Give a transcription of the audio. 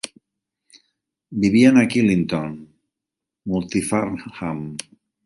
Vivien a Killintown, Multyfarnham.